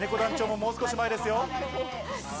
もう少し前ですよ。